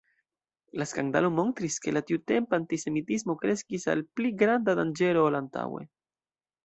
La skandalo montris, ke la tiutempa antisemitismo kreskis al pli granda danĝero ol antaŭe.